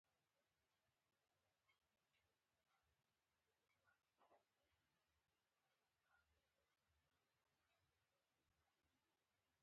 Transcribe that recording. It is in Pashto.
نن خبر شوم، مشر زوی یې په مسافرۍ مړ شوی.